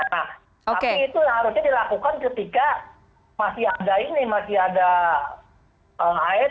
nah tapi itu harusnya dilakukan ketika masih ada ini masih ada air